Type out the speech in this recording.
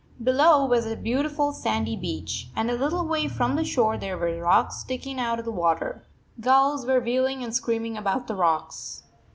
Below was a beautiful sandy beach, and a little way from the shore there were rocks sticking out of the water. Gulls were wheeling and screaming about the rocks.